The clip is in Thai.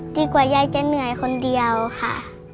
กว่ายายจะเหนื่อยคนเดียวค่ะ